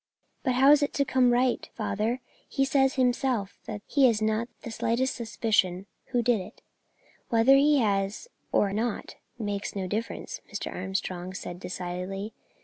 "But how is it to come right, father? He says that he himself has not the slightest suspicion who did it." "Whether he has or not makes no difference," Mr. Armstrong said, decidedly.